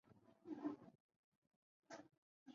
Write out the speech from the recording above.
沙中线全线通车后预定改为垂直转乘。